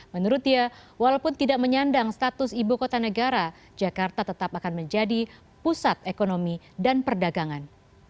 menurutnya walaupun tidak menyandang status ibu kota negara jakarta tetap akan menjadi pusat ekonomi dan perdagangan